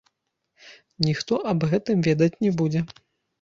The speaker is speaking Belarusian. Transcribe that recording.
Ніхто аб гэтым ведаць не будзе.